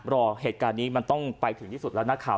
รอเหตุการณ์นี้มันต้องไปถึงที่สุดแล้วนักข่าว